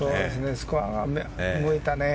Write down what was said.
スコアが動いたね。